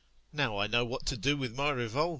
Now I know what to do with my revolver.